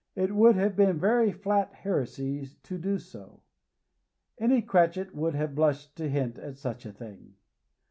It would have been flat heresy to do so. Any Cratchit would have blushed to hint at such a thing.